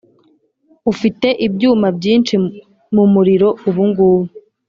ufite ibyuma byinshi mu muriro ubungubu. ”